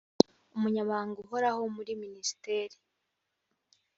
umunyamabanga uhoraho muri minisiteri